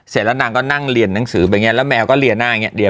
เสร็จแล้วนางก็นั่งเรียนหนังสือแบบนี้แล้วแมวก็เรียนหน้าอย่างนี้